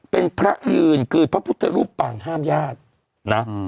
เป็นพระยืนคือพระพุทธรูปปางห้ามญาตินะ